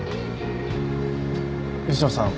吉野さん